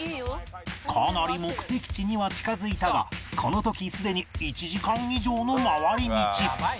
かなり目的地には近づいたがこの時すでに１時間以上の回り道